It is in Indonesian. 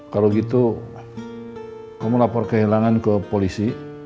kalau gitu kamu lapor kehilangan ke polisi